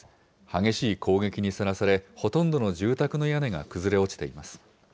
激しい攻撃にさらされ、ほとんどの住宅の屋根が崩れ落ちています。